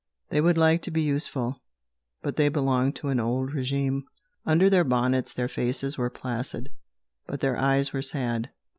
They would like to be useful, but they belonged to the old regime. Under their bonnets their faces were placid, but their eyes were sad.